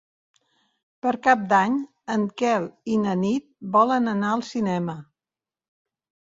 Per Cap d'Any en Quel i na Nit volen anar al cinema.